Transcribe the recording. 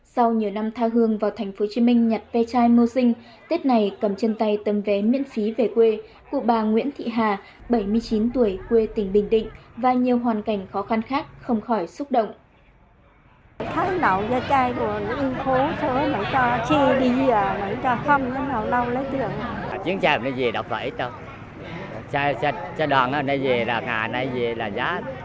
sau nhiều năm tha hương vào tp hcm nhặt vé chai mô sinh tết này cầm chân tay tầm vé miễn phí về quê của bà nguyễn thị hà bảy mươi chín tuổi quê tỉnh bình định và nhiều hoàn cảnh khó khăn khác không khỏi xúc động